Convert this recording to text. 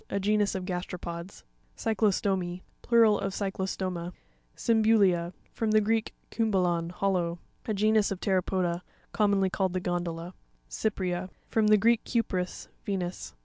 A genus of gasteropods (page 48). Cyctio'stom#.—Plural of cyclostoma. Cymsu't14.—From the Greek, kum balon, hollow. A genus of ptero poda, commonly called the gondola. Cypr#'a.—From the Greek, kupris, Venus.